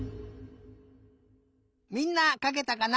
みんなかけたかな？